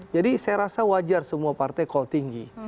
jadi saya rasa wajar semua partai call tinggi